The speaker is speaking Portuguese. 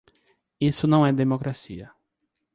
Isso não é democracia